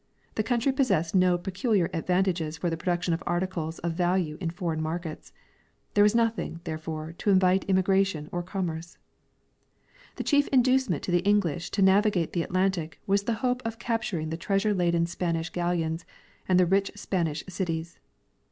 The country possessed no peculiar advantages for the production of articles of value in foreign markets ; there was nothing, therefore, to invite immigration or commerce. The chief inducement to the English to navigate the Atlantic was the hope of capturing the treasure laden Spanish galleons and the rich Spanish cities.